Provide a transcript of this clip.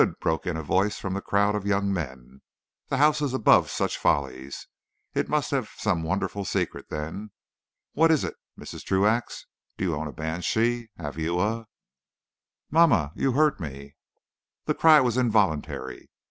"Good!" broke in a voice from the crowd of young men. "The house is above such follies. It must have some wonderful secret, then. What is it, Mrs. Truax? Do you own a banshee? Have you a " "Mamma, you hurt me!" The cry was involuntary.